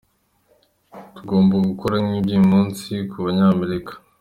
Tugomba gukora nk’ibyo uyu munsi ku Banyamerika.